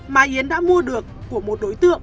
mà yến đã mua được của một đối tượng